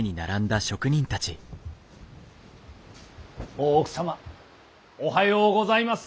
大奥様おはようございます。